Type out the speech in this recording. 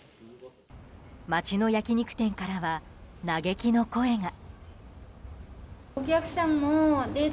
街の焼き肉店からは嘆きの声が。